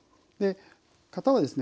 型はですね